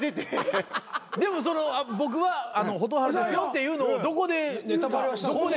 でも僕は蛍原ですよっていうのをどこで言うんですか？